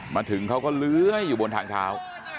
มาถึงเขาก็เลื้อยอยู่บนทางเท้า